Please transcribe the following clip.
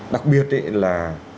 đặc biệt là